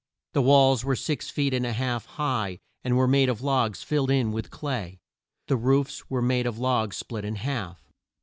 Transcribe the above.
The walls were six feet and a half high, and were made of logs filled in with clay. The roofs were made of logs split in half.